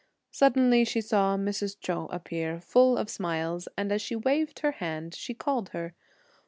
Suddenly, she saw Mrs. Chou approach, full of smiles, and as she waved her hand, she called her.